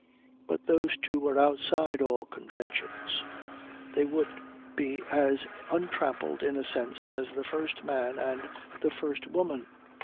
But those two were outside all conventions. They would be as untrammelled in a sense as the first man and the first woman.